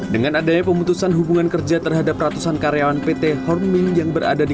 dengan adanya pemutusan hubungan kerja terhadap ratusan karyawan pt horming yang berada di